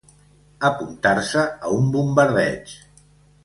Apuntar-se a un bombardeig.